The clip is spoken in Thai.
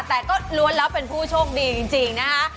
แต่ก็ล้วนแล้วเป็นผู้โชคดีจริงนะคะ